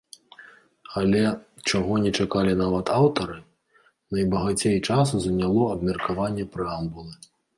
Але, чаго не чакалі нават аўтары, найбагацей часу заняло абмеркаванне прэамбулы.